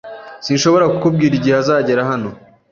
Sinshobora kukubwira igihe azagera hano.